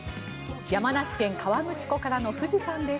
山梨県・河口湖からの富士山です。